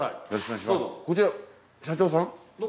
こちら社長さん？